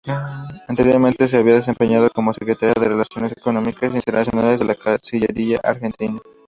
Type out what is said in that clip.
Anteriormente se había desempeñado como Secretaria de Relaciones Económicas Internacionales de la Cancillería Argentina.